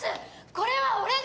これは俺が。